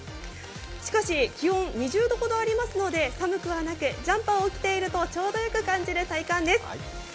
しかし、気温、２０度ほどありますので寒くはなくジャンパーを着ているとちょうどよく感じる体感です。